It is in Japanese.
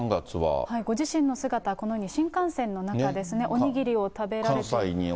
ご自身の姿、このように新幹線の中ですね、お握りを食べられて。